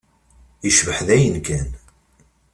Yecbeḥ dayen kan.